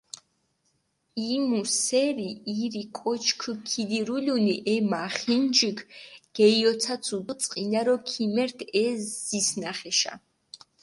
იმუ სერი ირი კოჩქჷ ქიდირულუნი, ე მახინჯქჷ გეიოცაცუ დი წყინარო ქიმერთ ე ზისჷნახეშა.